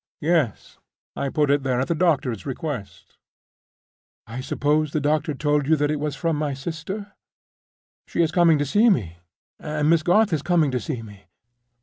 "Yes. I put it there at the doctor's request." "I suppose the doctor told you it was from my sister? She is coming to see me, and Miss Garth is coming to see me.